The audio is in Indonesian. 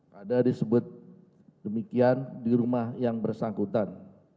pada disebut demikian di rumah yang bersangkutan